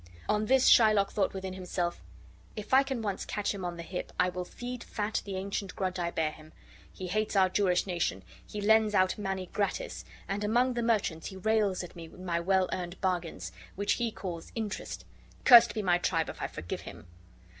On this, Shylock thought within himself: "If I can once catch him on the hip, I will feed fat the ancient grudge I bear him. He hates our Jewish nation; he lends out money gratis; and among the merchants he rails at me and my well earned bargains, which he calls interest. Cursed be my tribe if I forgive him!"